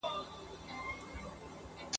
دلته چي هر خوږمن راغلی نیمه خوا وتلی ..